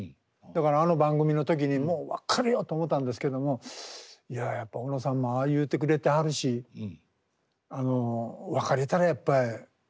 だからあの番組の時にもう別れようと思たんですけどもいややっぱ小野さんもああ言うてくれてはるしあの別れたらやっぱ終わりやなと。